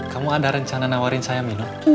kamu ada rencana nawarin saya minum